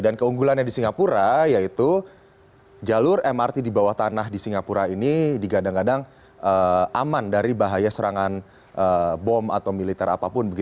dan keunggulannya di singapura yaitu jalur mrt di bawah tanah di singapura ini digandang gandang aman dari bahaya serangan bom atau militer apapun